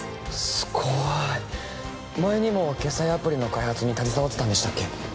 すごい前にも決済アプリの開発に携わってたんでしたっけ？